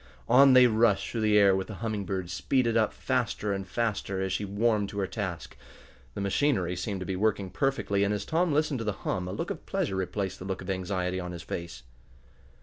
On they rushed through the air with the Humming Bird speeded up faster and faster as she warmed to her task. The machinery seemed to be working perfectly, and as Tom listened to the hum a look of pleasure replaced the look of anxiety on his face.